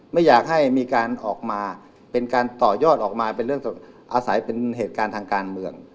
ไม่อยากให้มีการต่อยยอดออกมาเป็นเรื่องต่อสายถึงเหตุการณ์ทางการเมือง